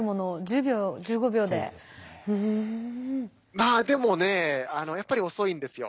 まあでもねやっぱり遅いんですよ。